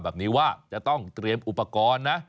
แบบนี้ว่าจะต้องเตรียมอุปกรณ์นะ